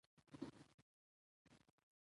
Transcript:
مساوي حالتونه مساوي چلند غواړي.